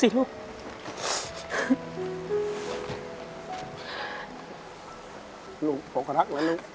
ไม่เป็นไรลูก